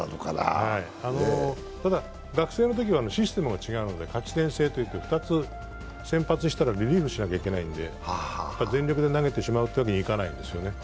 ただ、学生のときはシステムが違うので勝ち点制といって２つ先発したらリリーフしなきゃいけないんで全力で投げてしまうというわけにはいかないんですよね。